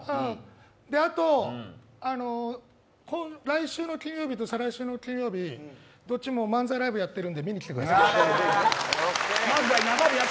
あと来週の金曜日と再来週の金曜日どっちも漫才ライブやってるんで見に来てください。